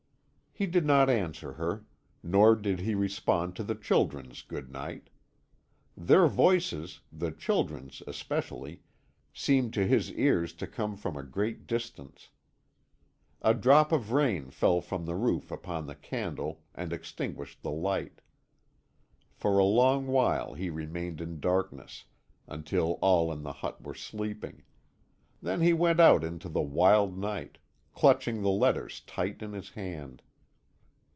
He did not answer her, nor did he respond to the children's good night. Their voices, the children's especially, seemed to his ears to come from a great distance. A drop of rain fell from the roof upon the candle, and extinguished the light. For a long while he remained in darkness, until all in the hut were sleeping; then he went out into the wild night, clutching the letters tight in his hand.